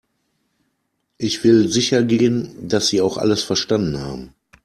Ich will sicher gehen, dass Sie auch alles verstanden haben.